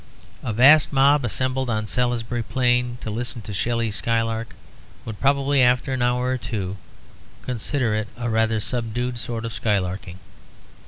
A vast mob assembled on Salisbury Plain to listen to Shelley's skylark would probably (after an hour or two) consider it a rather subdued sort of skylarking.